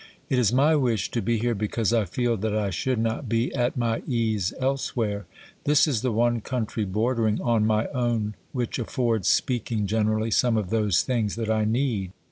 It is my wish to be here because I feel that I should not be at my ease elsewhere ; this is the one country bordering on my own which affords, speaking generally, some of those things that I need.